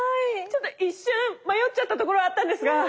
ちょっと一瞬迷っちゃったところあったんですが。